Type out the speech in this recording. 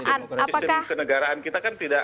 anarkisme ke negaraan kita kan tidak